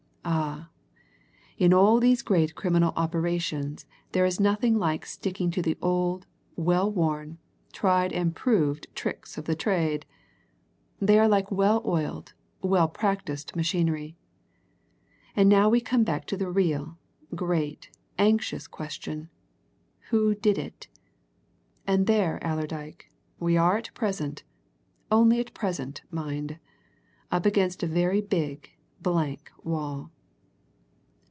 Ah! in all these great criminal operations there is nothing like sticking to the old, well worn, tried and proved tricks of the trade! they are like well oiled, well practised machinery. And now we come back to the real, great, anxious question Who did it? And there, Allerdyke, we are at present only at present, mind! up against a very big, blank wall."